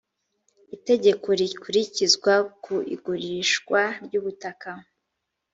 itegeko rikurikizwa ku igurishwa ry’ubutaka